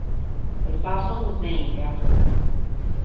A fossil was named after her.